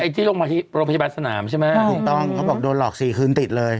ถูกต้องเขาบอกโดนหลอก๔คืนติดเลย